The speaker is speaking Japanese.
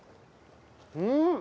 うん！